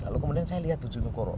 lalu kemudian saya lihat tujuh nukur